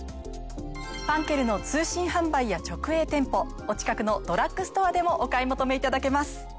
ファンケルの通信販売や直営店舗お近くのドラッグストアでもお買い求めいただけます。